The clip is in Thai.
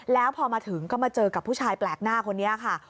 แล้วพอมาถึงก็มาเจอกับผู้ชายแปลกหน้าคนนี้ค่ะ